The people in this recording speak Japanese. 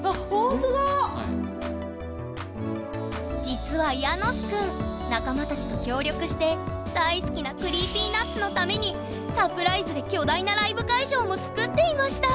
実はヤノスくん仲間たちと協力して大好きなＣｒｅｅｐｙＮｕｔｓのためにサプライズで巨大なライブ会場も作っていました！